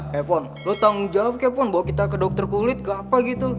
kepon lo tanggung jawab kepon bawa kita ke dokter kulit ke apa gitu